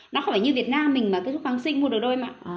nó không phải như việt nam mình mà thuốc hàng sinh mua được đôi mà